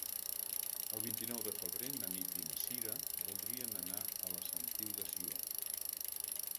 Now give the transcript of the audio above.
El vint-i-nou de febrer na Nit i na Cira voldrien anar a la Sentiu de Sió.